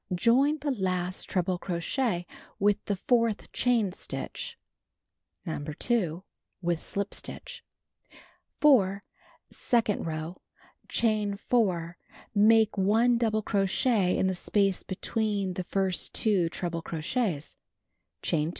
Join the last treble crochet into the fourth chain stitch (see No. 2) w^ith slip stitch. 4. Second row: Chain 4. Make 1 double crochet in the space between the first 2 treble crochets, Chain 2.